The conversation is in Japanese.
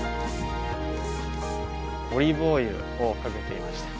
オリーブオイルをかけていました。